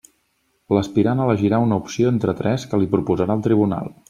L'aspirant elegirà una opció entre tres que li proposarà el tribunal.